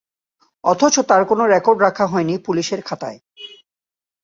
অথচ যার কোনো রেকর্ড রাখা হয়নি পুলিশের খাতায়।